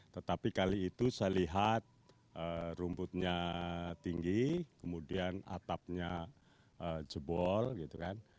tetapi kali itu saya lihat rumputnya tinggi kemudian atapnya jebol gitu kan